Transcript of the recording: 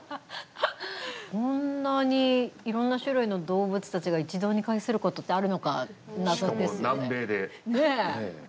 こんなにいろんな種類の動物たちが一堂に会することってしかも南米で。